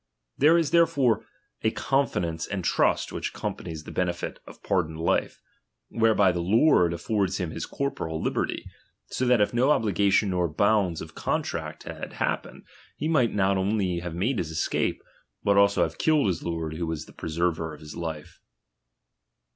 There is therefore a confi dence and trust which accompanies the benefit of pardoned fife, whereby the lord affords him his corporal liberty ; so that if no obligation nor bonds of contract had happened, he might not only have made his escape, but also have killed his lord who was the preserver of his life.